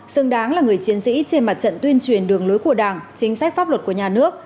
xứng đáng là người chiến sĩ trên mặt trận tuyên truyền đường lối của đảng chính sách pháp luật của nhà nước